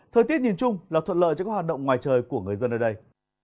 thời tiết nhìn chung là thuận lợi cho các hoạt động ngoài trời của người dân ở đây